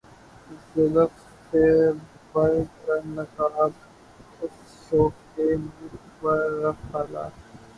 زلف سے بڑھ کر نقاب اس شوخ کے منہ پر کھلا